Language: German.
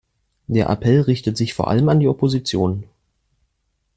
Der Appell richtet sich vor allem an die Opposition.